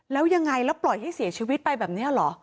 แล้วยังไงแล้วปล่อยให้เสียชีวิตไปแบบนี้เหรอ